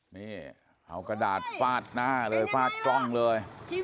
นี่เอากระดาษฟาดหน้าเลยฟาดกล้องเลย